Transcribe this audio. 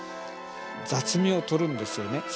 雑味をとるんですよね。